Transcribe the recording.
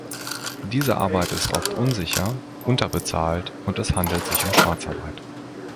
Diese Arbeit ist oft unsicher, unterbezahlt und es handelt sich um Schwarzarbeit.